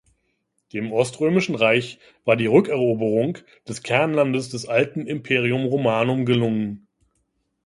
Dem Oströmischen Reich war die Rückeroberung des Kernlandes des alten "Imperium Romanum" gelungen.